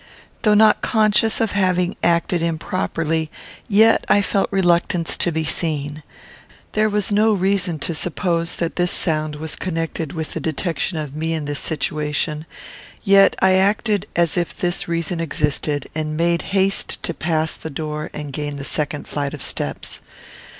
Though not conscious of having acted improperly, yet I felt reluctance to be seen. There was no reason to suppose that this sound was connected with the detection of me in this situation; yet I acted as if this reason existed, and made haste to pass the door and gain the second flight of steps.